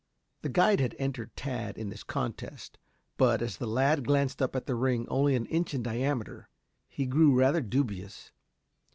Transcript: The guide had entered Tad in this contest; but, as the lad glanced up at the ring only an inch in diameter, he grew rather dubious.